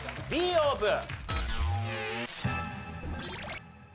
Ｃオープン！